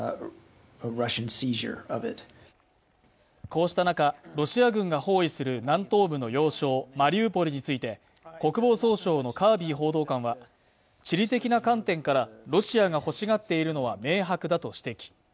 こうした中ロシア軍が包囲する南東部の要衝マリウポリについて国防総省のカービー報道官は地理的な観点からロシアが欲しがっているのは明白だと指摘